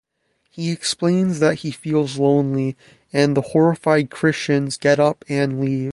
He explains that he feels lonely, and the horrified Christians get up and leave.